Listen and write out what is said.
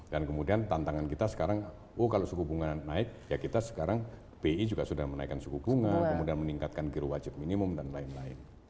dan kemudian tantangan kita sekarang oh kalau suku bunga naik ya kita sekarang bi juga sudah menaikkan suku bunga kemudian meningkatkan kira wajib minimum dan lain lain